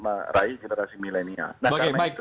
meraih generasi milenial nah karena itu